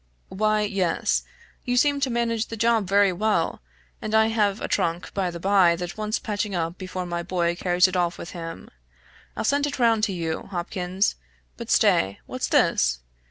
"Why yes you seem to manage the job very well; and I have a trunk, by the bye, that wants patching up before my boy carries it off with him; I'll send it round to you; Hopkins. But stay what's this?"